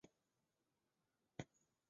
挪亚无疑从父亲那里知道不少事情。